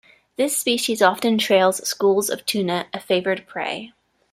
This species often trails schools of tuna, a favored prey.